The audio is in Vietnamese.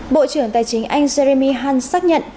bộ trưởng tài chính anh jeremy hunt xác nhận